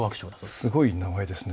すごい名前ですね。